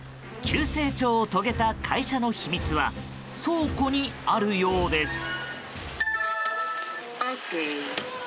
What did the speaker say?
急成長を遂げた会社の秘密は倉庫にあるようです。